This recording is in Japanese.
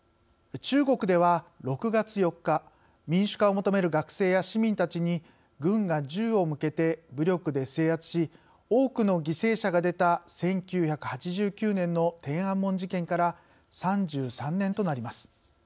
中国では、６月４日民主化を求める学生や市民たちに軍が銃を向けて、武力で制圧し多くの犠牲者が出た１９８９年の天安門事件から３３年となります。